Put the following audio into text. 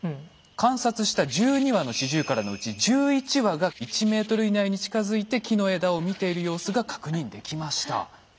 観察した１２羽のシジュウカラのうち１１羽が１メートル以内に近づいて木の枝を見ている様子が確認できました。